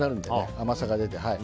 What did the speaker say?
甘さが出て。